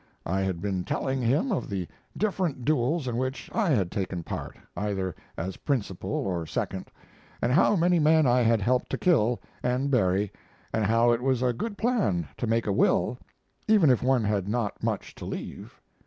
I had been telling him of the different duels in which I had taken part, either as principal or second, and how many men I had helped to kill and bury, and how it was a good plan to make a will, even if one had not much to leave.